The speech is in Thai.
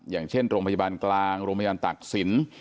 อย่างเช่นโรงพยาบาลกลางโรงพยาบาลตักศิลป์